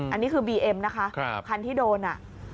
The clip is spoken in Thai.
อันนี้คือดีเอ็มครับคันที่โดน